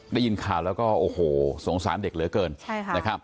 ได้ยินข่าวแล้วก็โอ้โหสงสารเด็กเหลือเกิน